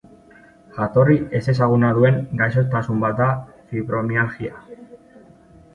Jatorri ezezaguna duen gaixotasun bat da fibromialgia.